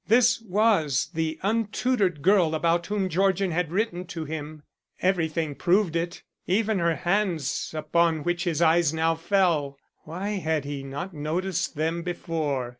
This was the untutored girl about whom Georgian had written to him. Everything proved it, even her hands upon which his eyes now fell. Why had he not noticed them before?